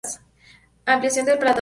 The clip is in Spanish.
Ampliación de plataforma.